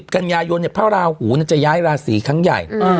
กัญญายนเนี้ยพระวราหูน่ะจะย้ายลาศรีครั้งใหญ่อือ